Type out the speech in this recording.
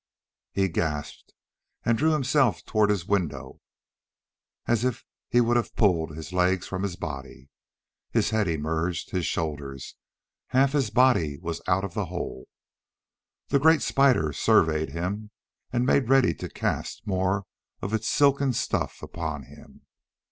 He gasped and drew himself toward his window as if he would have pulled his legs from his body. His head emerged. His shoulders half his body was out of the hole. The great spider surveyed him and made ready to cast more of its silken stuff upon him.